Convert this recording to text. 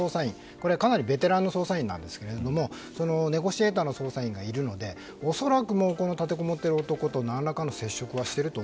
これはかなりベテランの捜査員なんですがネゴシエーターの捜査員がいるので恐らく、立てこもっている男と何らかの接触はしていると